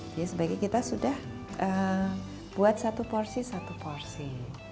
jadi sebaiknya kita sudah buat satu porsi satu porsi